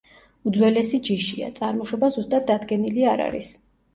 უძველესი ჯიშია, წარმოშობა ზუსტად დადგენილი არ არის.